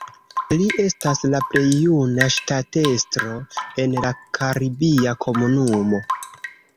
Li estas la plej juna ŝtatestro en la Karibia Komunumo.